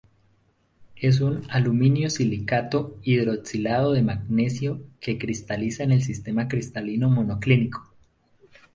Es un alumino-silicato hidroxilado de magnesio, que cristaliza en el sistema cristalino monoclínico.